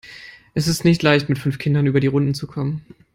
Es ist nicht leicht, mit fünf Kindern über die Runden zu kommen.